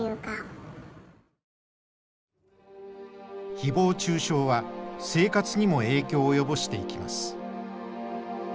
ひぼう中傷は生活にも影響を及ぼしていきます。